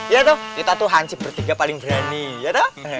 ya tau kita tuh hansip bertiga paling berani ya tau